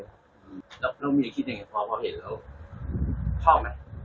ได้น